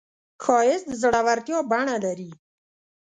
ښایست د زړورتیا بڼه لري